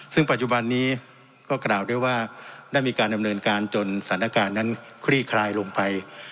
ซึ่งปัจจุบันนี้ก็กล่าวด้วยว่าได้มีการดำเนินการจนสถานการณ์นั้นคลี่คลายลงไป